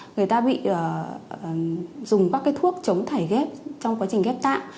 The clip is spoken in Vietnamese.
người ta bị dùng các thuốc chống thải ghép trong quá trình ghép tạ